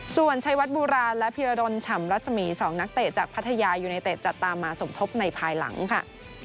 ส่วนชัยวัดโบราณและพิรดลฉ่ำรัศมี๒นักเตะจากพัทยายูเนเต็ดจะตามมาสมทบในภายหลังค่ะ